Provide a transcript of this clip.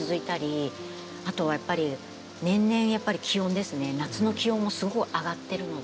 あとはやっぱり年々やっぱり気温ですね夏の気温もすごい上がってるので。